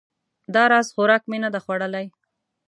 دا راز خوراک مې نه ده خوړلی